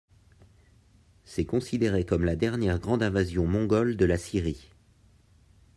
C'est considéré comme la dernière grande invasion mongole de la Syrie.